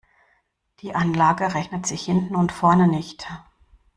Die Anlage rechnet sich hinten und vorne nicht.